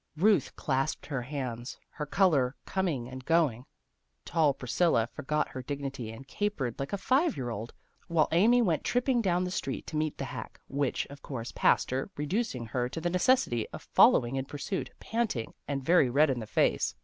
Ruth clasped her hands, her color coming and going. Tall Priscilla forgot her dignity and capered like a five year old, while Amy went tripping down the street to meet the hack, which, of course, passed her, reducing her to the neces sity of following in pursuit, panting and very red in the face.